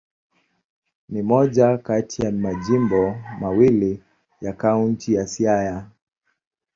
Ni moja kati ya majimbo mawili ya Kaunti ya Siaya.